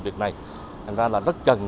việc này thành ra là rất cần